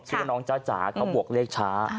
ชื่อว่าน้องจ้าจ๋าเขาบวกเลขช้า